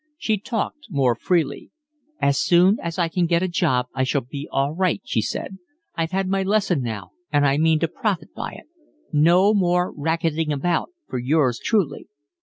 She talked more freely. "As soon as I can get a job I shall be all right," she said. "I've had my lesson now and I mean to profit by it. No more racketing about for yours truly."